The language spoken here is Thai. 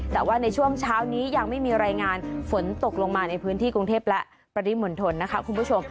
แต่ว่าในช่วงเช้านี้ยังไม่มีรายงานฝนตกลงมาในพื้นที่กรุงเทพและปริมณฑลนะคะคุณผู้ชม